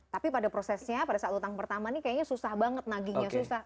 tapi pada prosesnya pada saat utang pertama nih kayaknya susah banget nagihnya susah